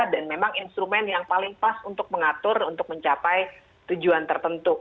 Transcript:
dan memang instrumen yang paling pas untuk mengatur untuk mencapai tujuan tertentu